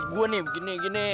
gua nih begini gini